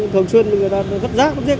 thường xuyên người ta vất giác vất giếc